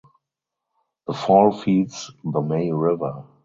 The fall feeds the Mai River.